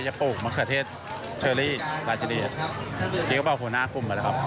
จะปลูกมะเขือเทศราชินีกับหัวหน้ากลุ่ม